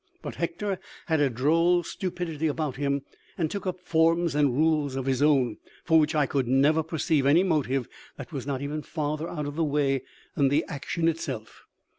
But Hector had a droll stupidity about him, and took up forms and rules of his own, for which I could never perceive any motive that was not even farther out of the way than the action itself.